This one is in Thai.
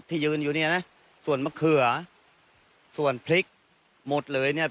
ยืนอยู่เนี่ยนะส่วนมะเขือส่วนพริกหมดเลยเนี่ย